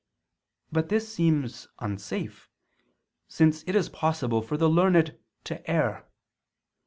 But this seems unsafe, since it is possible for the learned to err.